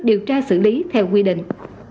điều tra xử lý theo quy định